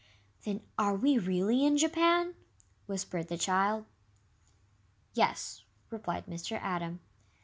"Then are we really in Japan?" whispered the child. "Yes," replied Mr. Atom.